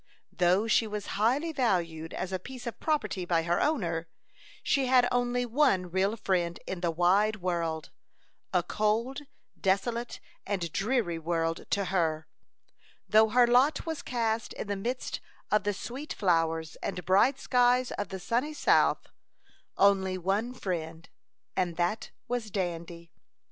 Though she was highly valued as a piece of property by her owner, she had only one real friend in the wide world a cold, desolate, and dreary world to her, though her lot was cast in the midst of the sweet flowers and bright skies of the sunny south only one friend, and that was Dandy.